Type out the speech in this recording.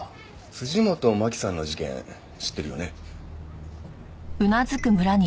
辻本マキさんの事件知ってるよね？